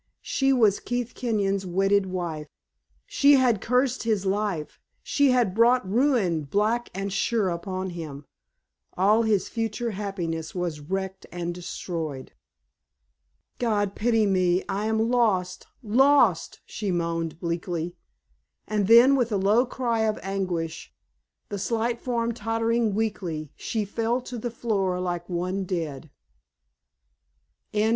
she was Keith Kenyon's wedded wife. She had cursed his life; she had brought ruin black and sure upon him; all his future happiness was wrecked and destroyed. "God pity me, I am lost lost!" she moaned, bleakly. And then with a low cry of anguish, the slight form tottering weakly, she fell to the floor like one dead.